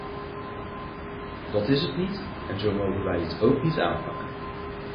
Dat is het niet, en zo mogen wij het ook niet aanpakken.